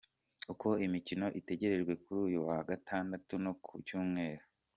Uko imikino itegerejwe kuri uyu wa Gatandatu no ku Cyumweru.